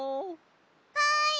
はい！